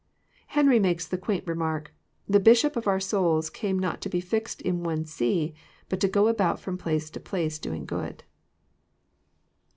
Henry makes the quaint remark, " The Bishop of our souls came not to be fixed in one See, but to go about from place to j»lace doing good."